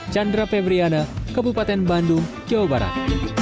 chandra pevriana kebupaten bandung jawa barat